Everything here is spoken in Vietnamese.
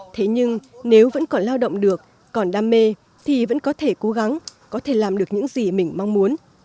thế nhưng nếu vẫn còn lao động được còn đam mê thì vẫn có thể cố gắng có thể làm được những gì mình mong muốn